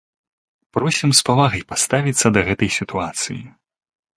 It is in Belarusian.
Просім з павагай паставіцца да гэтай сітуацыі.